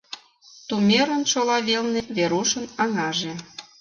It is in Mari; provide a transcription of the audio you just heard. Тумерын шола велне Верушын аҥаже.